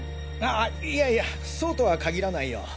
いやいやそうとは限らないよ。